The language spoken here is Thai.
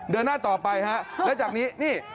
เดินหน้าต่อไปฮะแล้วจากนี้นี่